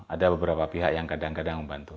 ada beberapa pihak yang kadang kadang membantu